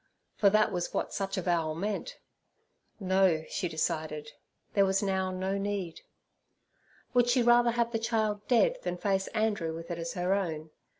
for that was what such avowal meant. No, she decided; there was now no need. Would she rather have the child dead than face Andrew with it as her own?